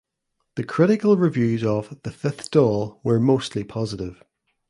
The critical reviews of "The Fifth Doll" were mostly positive.